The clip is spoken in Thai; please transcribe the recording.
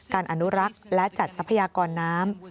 อนุรักษ์และจัดทรัพยากรน้ำ